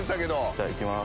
じゃあ行きます。